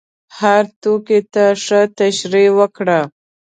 هر توکي ته ښه تشریح وکړه.